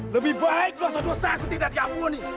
lebih baik luasa dosa aku tidak diambuni